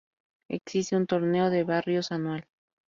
Existe un Torneo de Barrios anual.